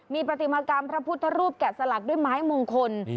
มีปฏิมากรรมพระพุทธรูปแกะสลักด้วยไม้มงคล